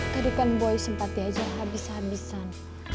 kadang kadang boy sempat diajar habis habisan